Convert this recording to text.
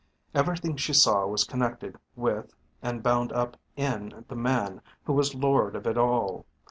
Everything she saw was connected with and bound up in the man who was lord of it all.